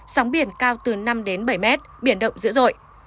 sóng biển cao từ năm đến bảy mét biển động dữ dội